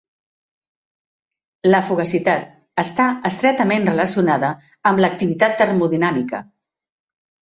La fugacitat està estretament relacionada amb l'activitat termodinàmica.